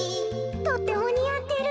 とってもにあってる。